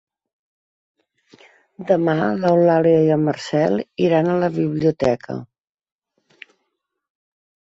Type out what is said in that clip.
Demà n'Eulàlia i en Marcel iran a la biblioteca.